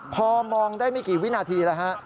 พอมองได้ไม่กี่วินาทีแล้วฮะ